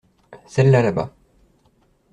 Celle-là là-bas.